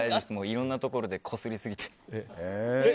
いろんなところでこすりすぎて。